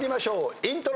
イントロ。